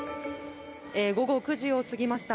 午後９時を過ぎました。